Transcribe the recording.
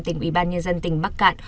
tỉnh ủy ban nhân dân tỉnh bắc cạn